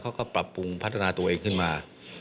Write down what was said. เขาก็ปรับปรุงพัฒนาตัวเองขึ้นมา